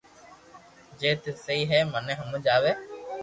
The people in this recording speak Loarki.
جي تو سھيي ھي مني ھمج آوي